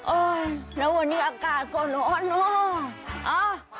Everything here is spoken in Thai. แล้ววันนี้อากาศก็ร้อนเนอะ